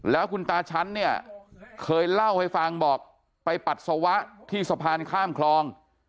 แล้วคุณตาชั้นเนี่ยเคยเล่าให้ฟังบอกไปปัสสาวะที่สะพานข้ามคลอง